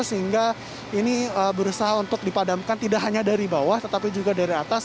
sehingga ini berusaha untuk dipadamkan tidak hanya dari bawah tetapi juga dari atas